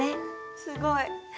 すごい。